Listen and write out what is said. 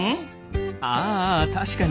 ああ確かに。